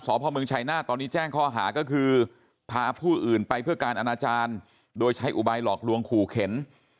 พ่อเมืองชายนาฏตอนนี้แจ้งข้อหาก็คือพาผู้อื่นไปเพื่อการอนาจารย์โดยใช้อุบายหลอกลวงขู่เข็น